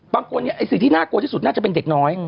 บางคนเนี่ยไอ้สิ่งที่น่ากลัวที่สุดน่าจะเป็นเด็กน้อย